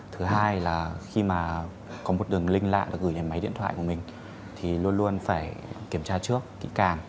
thứ hai là khi mà có một đường link lạ và gửi đến máy điện thoại của mình thì luôn luôn phải kiểm tra trước kỹ càng